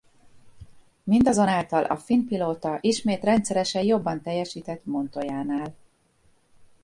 Mindazonáltal a finn pilóta ismét rendszeresen jobban teljesített Montoyánál.